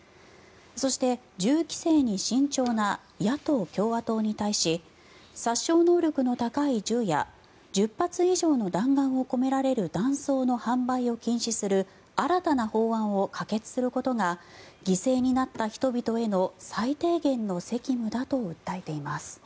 そして、銃規制に慎重な野党・共和党に対し殺傷能力の高い銃や１０発以上の弾丸を込められる弾倉の販売を禁止する新たな法案を可決することが犠牲になった人々への最低限の責務だと訴えています。